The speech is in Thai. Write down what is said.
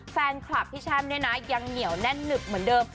แฟนคลับพี่แช่มเนี่ยนะยังเหนียวแน่นหนึบเหมือนเดิม